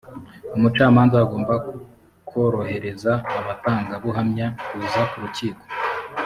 umucamanza agomba korohereza abatangabuhamya kuza ku rukiko